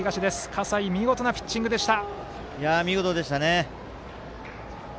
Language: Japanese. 葛西、見事なピッチングでした。